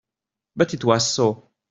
But it was so.